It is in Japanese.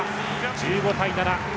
１５対７。